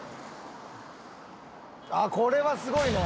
あっこれはすごいね！